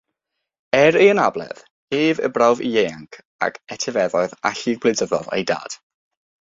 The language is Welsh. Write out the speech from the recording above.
Er ei anabledd, ef, y brawd ieuanc, a etifeddodd allu gwleidyddol ei dad.